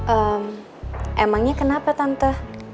ehm emangnya kenapa tante